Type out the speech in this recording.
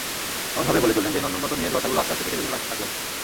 এমনভাবে বলে চললেন যে, নন্দনতত্ত্ব নিয়ে ধোঁয়াশাগুলো আস্তে আস্তে কেটে যেতে থাকল।